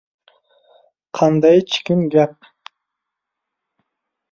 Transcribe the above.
— Qandaychikin gap?